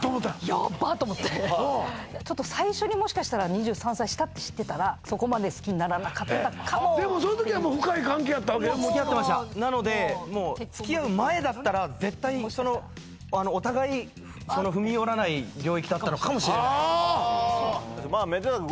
やばっと思ってちょっと最初にもしかしたら２３歳下って知ってたらそこまで好きにならなかったかもでもその時はもう深い関係やったわけつきあってましたなのでつきあう前だったら絶対お互いその踏み寄らない領域だったのかもしれないああめでたく